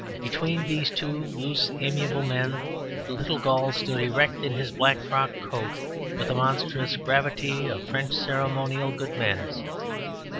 Between these two loose, amiable men, the little Gaul stood erect in his black frock coat, with the monstrous gravity of French ceremonial good manners.